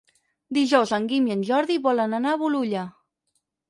Dijous en Guim i en Jordi volen anar a Bolulla.